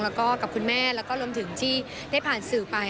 แล้วก็กับคุณแม่แล้วก็รวมถึงที่ได้ผ่านสื่อไป